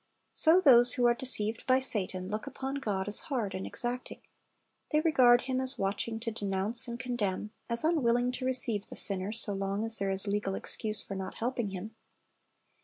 So those who are deceived by Satan look upon God as hard and exacting. They regard Him as watching to denounce and condemn, as unwilling to receive the sinner so long as there is a legal excuse for not helping him.